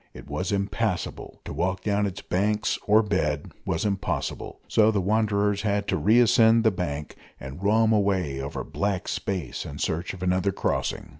It was impassable; to walk down its banks or bed was impossible, so the wanderers had to re ascend the bank, and roam away over black space in search of another crossing.